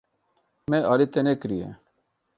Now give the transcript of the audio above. Me alî te nekiriye.